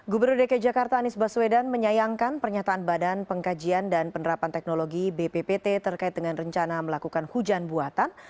gubernur dki jakarta anies baswedan menyayangkan pernyataan badan pengkajian dan penerapan teknologi bppt terkait dengan rencana melakukan hujan buatan